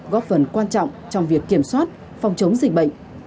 góp phần quan trọng trong việc kiểm soát phòng chống dịch bệnh